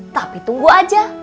tapi tunggu aja